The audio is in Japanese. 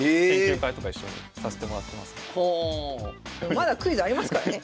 まだクイズありますからね。